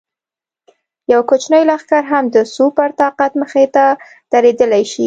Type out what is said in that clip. یو کوچنی لښکر هم د سوپر طاقت مخې ته درېدلی شي.